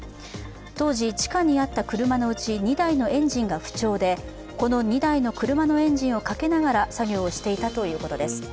当時、地下にあった車のうち２台のエンジンが不調でこの２台の車のエンジンをかけながら作業をしていたということです。